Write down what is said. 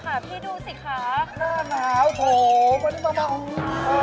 โปรดติดตามตอนต่อไป